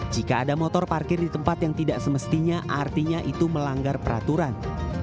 jika ada motor parkir di tempat yang tidak semestinya artinya itu melanggar peraturan